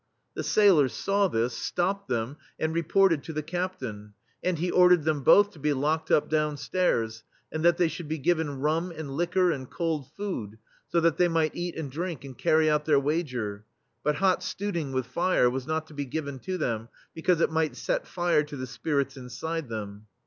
The sailors saw this, stopped them, and reported to the Captain j and he or dered them both to be locked up down stairs, and that they should be given rum and liquor and cold food, so that they might eat and drink and carry out their wager; but hot studing with fire* was not to be given to them because it might set fire to the spirits inside them.